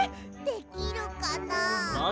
できるかなあ。